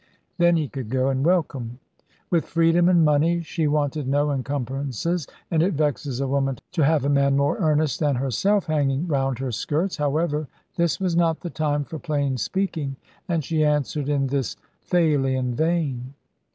Then he could go and welcome. With freedom and money she wanted no encumbrances. And it vexes a woman to have a man more earnest than herself hanging round her skirts. However, this was not the time for plain speaking, and she answered in this Thalian vein.